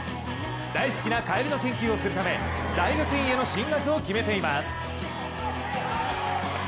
大好きなカエルの研究をするため、大学院への進学を決めています。